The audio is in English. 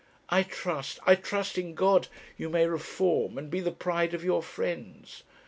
I trust, I trust in God, you may reform, and be the pride of your friends.